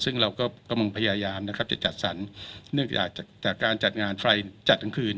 ซึ่งเราก็กำลังพยายามจะจัดสรรเนื่องจากการจัดงานไฟจัดทั้งคืน